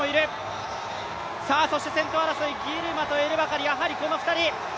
そして先頭争い、ギルマとエルバカリ、やはりこの２人。